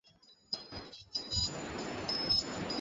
আচ্ছা, তো শুধু বজনই ভালো গায় আর তো কিছু ভালো না।